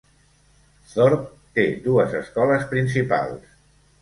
Thorp té dues escoles principals.